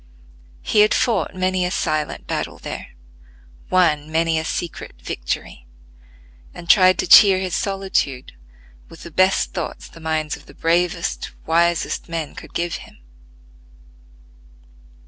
He had fought many a silent battle there; won many a secret victory; and tried to cheer his solitude with the best thoughts the minds of the bravest, wisest men could give him.